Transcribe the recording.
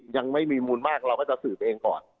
ยังไม่มีมูลมากเราก็จะสืบเองก่อน